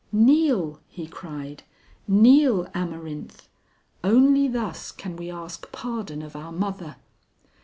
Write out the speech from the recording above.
'Kneel!' he cried. 'Kneel, Amarynth! Only thus can we ask pardon of our mother.'